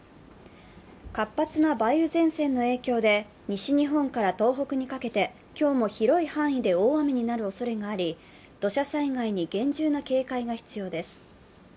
活発な梅雨前線の影響で西日本から東北にかけて、今日も広い範囲で大雨になるおそれがあり土砂災害に厳重な警戒が必要です。